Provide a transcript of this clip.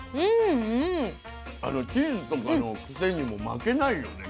チーズとかのクセにも負けないよね